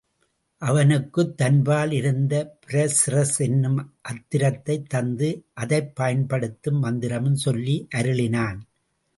அவனுக்குத் தன்பால் இருந்த பிரசிரஸ் என்னும் அத்திரத்தை தந்து அதைப்பயன்படுத்தும் மந்திரமும் சொல்லி அருளினான்.